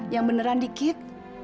yang beneran dikit